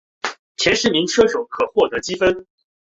前十名车手可获得积分。